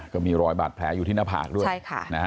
ก็มีรอยบาทแพ้อยู่ที่หน้าผากด้วย